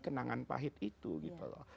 kenangan pahit itu gitu loh